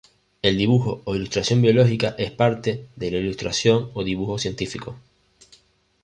El dibujo o ilustración biológica es parte de la ilustración o dibujo científico.